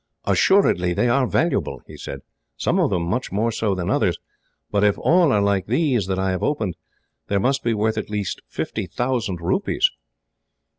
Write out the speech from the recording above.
"Assuredly they are valuable," he said. "Some of them much more so than others; but if all are like these that I have opened, they must be worth at least fifty thousand rupees."